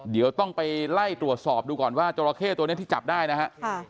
เดี๋ยวต้องไปไล่ตรวจสอบดูก่อนว่าจราเข้ตัวนี้ที่จับได้นะฮะ